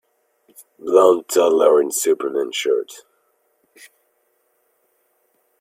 Blond toddler in superman shirt.